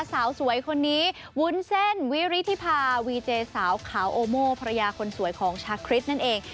สาวสวยคนนี้วุ้นเส้นวิริธิภาวีเจสาวขาวโอโม่ภรรยาคนสวยของชาคริสนั่นเอง